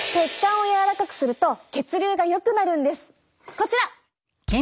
こちら！